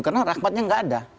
karena rahmatnya tidak ada